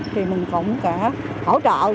thì mình cũng sẽ hỗ trợ